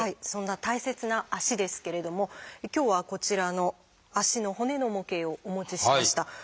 そんな大切な足ですけれども今日はこちらの足の骨の模型をお持ちしました。